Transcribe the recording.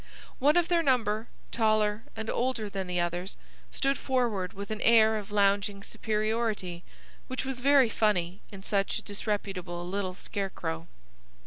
One of their number, taller and older than the others, stood forward with an air of lounging superiority which was very funny in such a disreputable little scarecrow.